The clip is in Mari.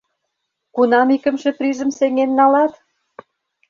Кунам икымше призым сеҥен налат?